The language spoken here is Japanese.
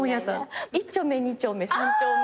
「１丁目２丁目３丁目！」